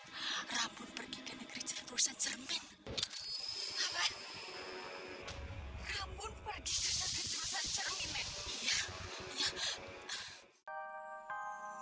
hai rapun pergi ke negeri terusan cermin apa kamu pergi ke negeri terusan cermin ya ya